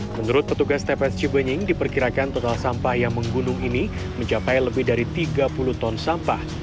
menurut petugas tps cibenying diperkirakan total sampah yang menggunung ini mencapai lebih dari tiga puluh ton sampah